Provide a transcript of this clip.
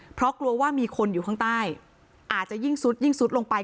เพราะกลัวว่ามีคนอยู่ข้างใต้อาจจะยิ่งซุดยิ่งซุดลงไป